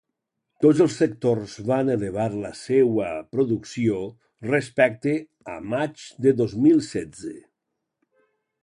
Tots els sectors van elevar la seua producció respecte a maig de dos mil setze.